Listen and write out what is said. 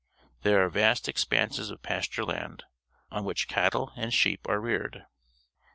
There are vast expanses of pasture land, on which cattle and sheep are reared.